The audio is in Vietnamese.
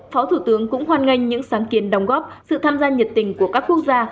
phó thủ tướng cũng hoan nghênh những sáng kiến đồng góp sự tham gia nhiệt tình của các quốc gia